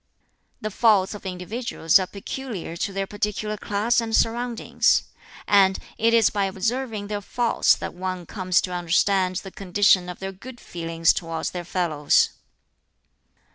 "The faults of individuals are peculiar to their particular class and surroundings; and it is by observing their faults that one comes to understand the condition of their good feelings towards their fellows.